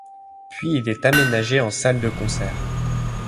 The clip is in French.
Puis il est aménagé en salle de concert.